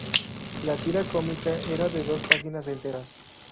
La tira cómica era de dos páginas enteras.